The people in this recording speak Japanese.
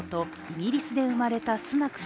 イギリスで生まれたスナク